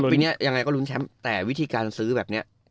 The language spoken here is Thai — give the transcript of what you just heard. ปีนี้ยังไงก็ลุ้นแชมป์แต่วิธีการซื้อแบบนี้